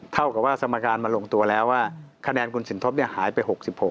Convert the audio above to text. เท่ากับว่าสมการมาลงตัวแล้วว่าคะแนนคุณสินทบหายไป๖๖